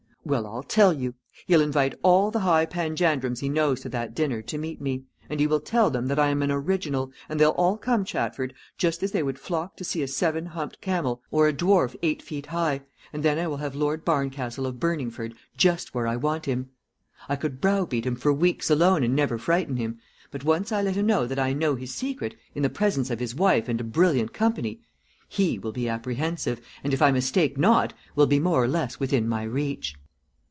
"Well, I'll tell you. He will invite all the high panjandrums he knows to that dinner to meet me, and he will tell them that I am an original, and they'll all come, Chatford, just as they would flock to see a seven humped camel or a dwarf eight feet high, and then I will have Lord Barncastle of Burningford just where I want him. I could browbeat him for weeks alone and never frighten him, but once I let him know that I know his secret, in the presence of his wife and a brilliant company, he will be apprehensive, and, if I mistake not, will be more or less within my reach."